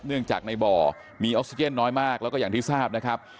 เนื่องจากในบ่อมีออกซิเจนน้อยมากแล้วก็อย่างที่ทราบนะครับ